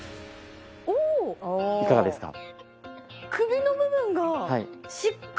いかがですか？